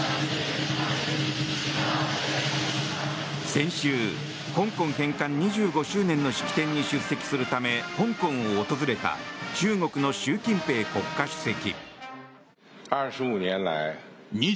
先週、香港返還２５周年の式典に出席するため香港を訪れた中国の習近平国家主席。